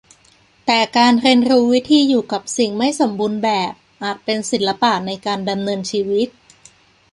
แต่การเรียนรู้วิธีอยู่กับสิ่งไม่สมบูรณ์แบบอาจเป็นศิลปะในการดำเนินชีวิต